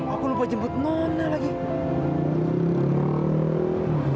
aku lupa jemput nona lagi